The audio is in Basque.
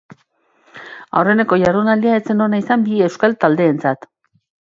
Aurreneko jardunaldia ez zen ona izan bi euskal taldeentzat.